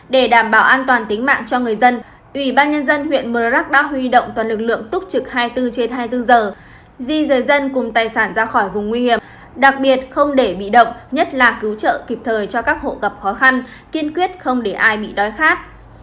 để đảm bảo an toàn tính mạng cho người dân ủy ban nhân dân huyện mờ rắc đã huy động toàn lực lượng túc trực hai mươi bốn trên hai mươi bốn giờ di rời dân cùng tài sản ra khỏi vùng nguy hiểm đặc biệt không để bị động nhất là cứu trợ kịp thời cho các hộ gặp khó khăn kiên quyết không để ai bị đói khát